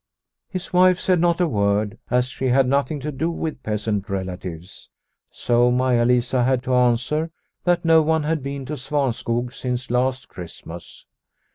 His wife said not a word, as she had nothing to do with peasant relatives, so Maia Lisa had to answer that no one had been to Svanskog since last Christmas.